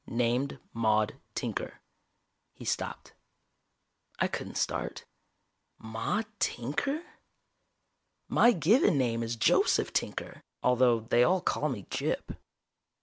Named Maude Tinker." He stopped. I couldn't start. Maude Tinker! My given name is Joseph Tinker although they all call me Gyp.